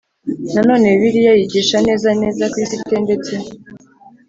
Nanone Bibiliya yigisha neza neza ko isi itendetse